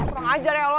ah kurang ajar ya lo